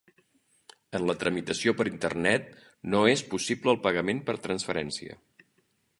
En la tramitació per internet no és possible el pagament per transferència.